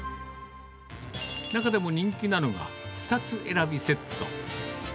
中でも人気なのが、２つ選びセット。